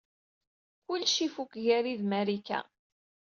Kullec ifuk gar-i ed Marika.